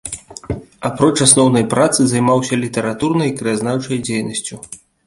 Апроч асноўнай працы займаўся літаратурнай і краязнаўчай дзейнасцю.